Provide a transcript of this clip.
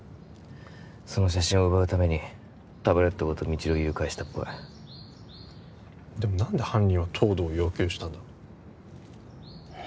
その写真を奪うためにタブレットごと未知留を誘拐したっぽいでも何で犯人は東堂を要求したんだ